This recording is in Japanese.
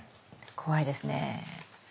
怖いですね。